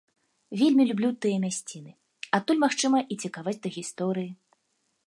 Вельмі люблю тыя мясціны, адтуль, магчыма і цікавасць да гісторыі.